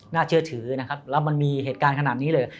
เชื่อถือนะครับแล้วมันมีเหตุการณ์ขนาดนี้เลย